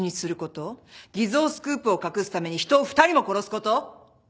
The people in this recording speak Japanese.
偽造スクープを隠すために人を２人も殺すこと？